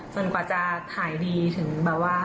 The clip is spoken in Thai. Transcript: กว่าจะหายดีถึงแบบว่า